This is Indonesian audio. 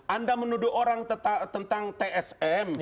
anda menuduh orang tentang tsm